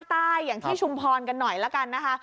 ใต้อย่างที่ชุมพรกันหน่อยละกันนะคะ